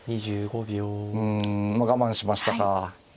うんまあ我慢しましたか。